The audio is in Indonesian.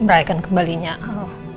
menyaraikan kembalinya al